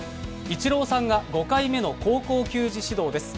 イチローさんが５回目の高校球児指導です。